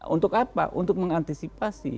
untuk apa untuk mengantisipasi